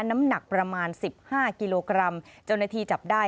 น้ำหนักประมาณสิบห้ากิโลกรัมเจ้าหน้าที่จับได้